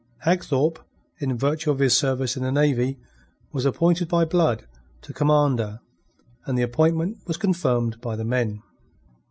Hagthorpe, in virtue of his service in the navy, was appointed by Blood to command her, and the appointment was confirmed by the men.